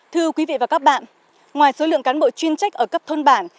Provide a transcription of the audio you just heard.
thưa quý vị và các bạn ngoài số lượng cán bộ chuyên trách ở cấp thôn bản